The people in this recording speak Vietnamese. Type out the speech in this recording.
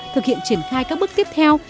thực hiện triển khai các bước tiếp theo